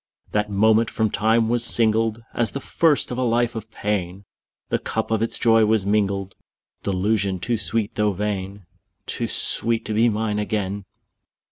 _10 3. That moment from time was singled As the first of a life of pain; The cup of its joy was mingled Delusion too sweet though vain! Too sweet to be mine again.